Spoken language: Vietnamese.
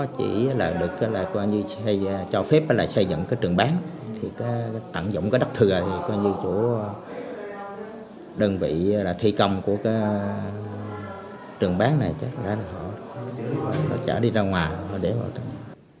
chỉ là được cho phép xây dựng trường bán tặng dụng đất thừa đơn vị thi công của trường bán này chắc là họ chở đi ra ngoài để vào trường bán